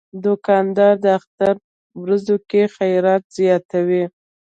دوکاندار د اختر ورځو کې خیرات زیاتوي.